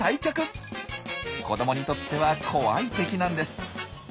子どもにとっては怖い敵なんです。